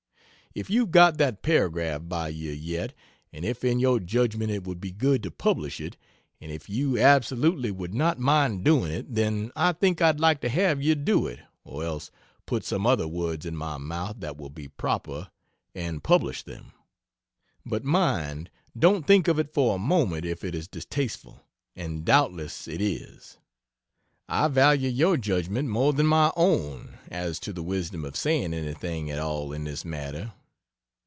If you've got that paragraph by you yet, and if in your judgment it would be good to publish it, and if you absolutely would not mind doing it, then I think I'd like to have you do it or else put some other words in my mouth that will be properer, and publish them. But mind, don't think of it for a moment if it is distasteful and doubtless it is. I value your judgment more than my own, as to the wisdom of saying anything at all in this matter.